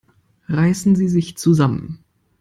Reißen Sie sich zusammen!